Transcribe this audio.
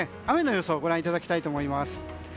雨の予想をご覧いただきたいと思います。